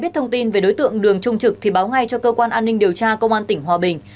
nếu thông tin về đối tượng đường trung trực thì báo ngay cho cơ quan an ninh điều tra công an tỉnh hòa bình